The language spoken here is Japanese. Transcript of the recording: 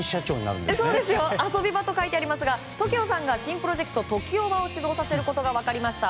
遊び場と書いてありますがＴＯＫＩＯさんが新プロジェクトＴＯＫＩＯ‐ＢＡを始動させることが分かりました。